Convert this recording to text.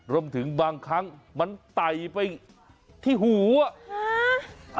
รวมถึงบางครั้งมันไต่ไปที่หูอ่ะ